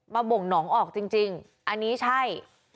บ่งหนองออกจริงอันนี้ใช่